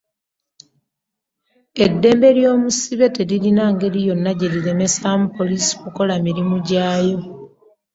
Eddembe ly’omusibe teririna ngeri yonna gyeriremesaamu poliisi kukola mirimu gyaayo.